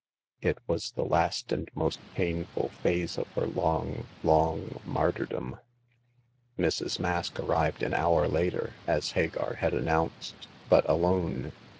It was the last and most painful phase of her long, long martyrdom. Mrs. Mask arrived an hour later, as Hagar had announced, but alone.